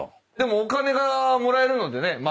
でもお金がもらえるのでね。